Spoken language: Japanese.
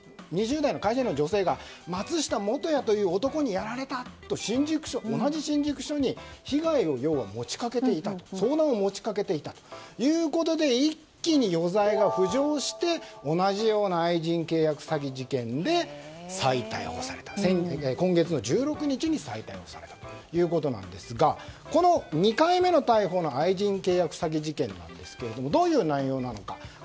２０代の会社員の女性が松下素也という男にやられたと同じ新宿署に相談を持ち掛けていたということで一気に余罪が浮上して同じような愛人契約詐欺事件で今月の１６日に再逮捕されたということなんですがこの２回目の逮捕の愛人契約詐欺事件ですがどういう内容なのか。